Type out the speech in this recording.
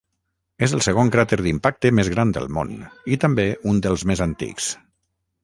És el segon cràter d'impacte més gran del món i també un dels més antics.